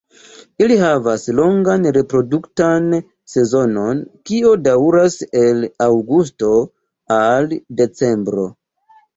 Ili havas longan reproduktan sezonon, kio daŭras el aŭgusto al decembro.